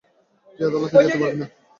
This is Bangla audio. তুই আদালতে যেতে পারবি না।